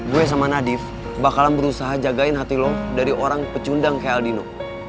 gue sama nadif bakalan berusaha jagain hati lo dari orang pecundang kayak aldino